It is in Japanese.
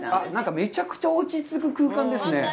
めちゃくちゃ落ちつく空間ですね。